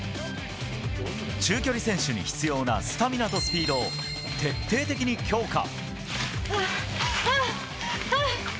中距離選手に必要なスタミナとスピードを徹底的に強化。